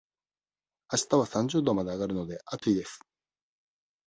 あしたは三十度まで上がるので、暑いです。